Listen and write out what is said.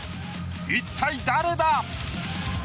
一体誰だ？